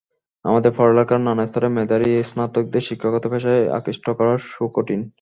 আমাদের পড়ালেখার নানা স্তরে মেধাবী স্নাতকদের শিক্ষকতা পেশায় আকৃষ্ট করা সুকঠিন।